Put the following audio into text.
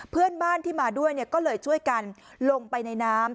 เพื่อนบ้านที่มาด้วยก็เลยช่วยกันลงไปในน้ำ